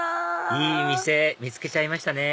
いい店見つけちゃいましたね